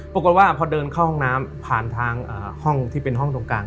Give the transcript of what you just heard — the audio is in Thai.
ปรากฏว่าพอเดินเข้าห้องน้ำผ่านทางห้องที่เป็นห้องตรงกลาง